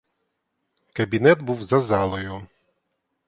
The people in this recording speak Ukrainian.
Кабінет був за залою.